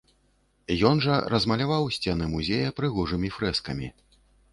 Ён жа размаляваў сцены музея прыгожымі фрэскамі.